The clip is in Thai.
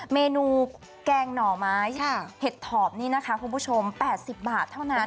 เมนูแกงหน่อไม้เห็ดถอบนี่นะคะคุณผู้ชม๘๐บาทเท่านั้น